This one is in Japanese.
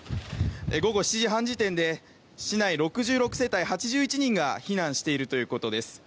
午後７時半時点で市内６８世帯８１人が避難しているということです。